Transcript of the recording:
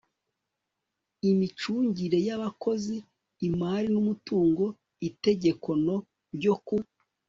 IMICUNGIRE Y ABAKOZI IMARI N UMUTUNGO Itegeko no ryo ku